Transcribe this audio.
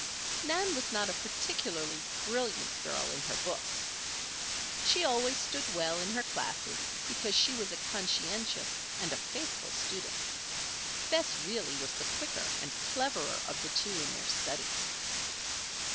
Nan was not a particularly brilliant girl in her books. She always stood well in her classes because she was a conscientious and a faithful student. Bess, really, was the quicker and cleverer of the two in their studies.